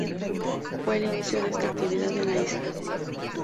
Fue el inicio de esta actividad en la isla.